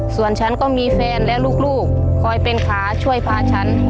ส่วนฉันก็มีแฟนและลูกคอยเป็นขาช่วยพาฉัน